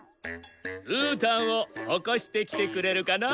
うーたんをおこしてきてくれるかな？